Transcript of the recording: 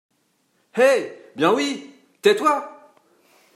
Eh ! bien oui, tais-toi !